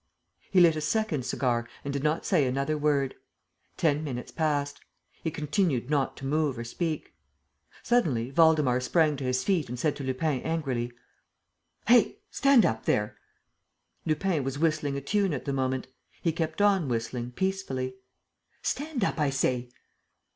He lit a second cigar and did not say another word. Ten minutes passed. He continued not to move or speak. Suddenly, Waldemar sprang to his feet and said to Lupin, angrily: "Hi! Stand up, there!" Lupin was whistling a tune at the moment. He kept on whistling, peacefully. "Stand up, I say!"